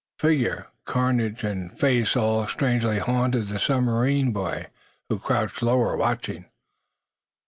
Figure, carnage and face all strangely haunted the submarine boy, who crouched lower, watching.